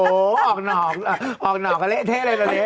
โหนอกกะเละเท่เลย